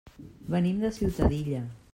Venim de Ciutadilla.